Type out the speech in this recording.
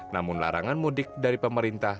namun larangan mudik dari pemerintah